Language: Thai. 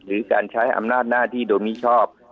หรือการใช้อำนาจหน้าที่โดยมิชอบ